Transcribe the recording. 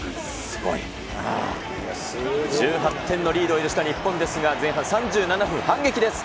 すごい！１８点のリードを許した日本ですが、前半３７分、反撃です。